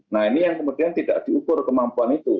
nah ini yang kemudian tidak diukur kemampuan itu